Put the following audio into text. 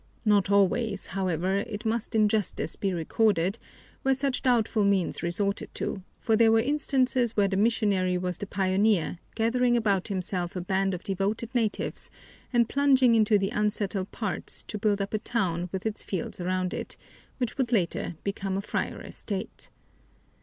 Not always, however, it must in justice be recorded, were such doubtful means resorted to, for there were instances where the missionary was the pioneer, gathering about himself a band of devoted natives and plunging into the unsettled parts to build up a town with its fields around it, which would later become a friar estate.